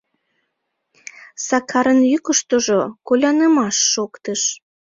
— Сакарын йӱкыштыжӧ колянымаш шоктыш.